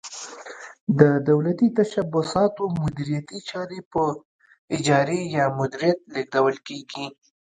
د دولتي تشبثاتو مدیریتي چارې په اجارې یا مدیریت لیږدول کیږي.